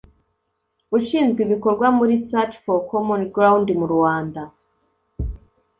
ushinzwe ibikorwa muri Search for Common Ground mu Rwanda